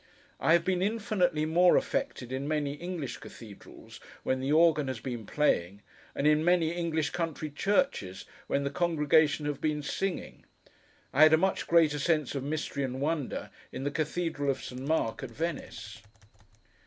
I have been infinitely more affected in many English cathedrals when the organ has been playing, and in many English country churches when the congregation have been singing. I had a much greater sense of mystery and wonder, in the Cathedral of San Mark at Venice.